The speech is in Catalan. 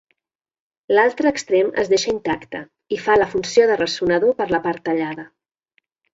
L'altre extrem es deixa intacte i fa la funció de ressonador per la part tallada.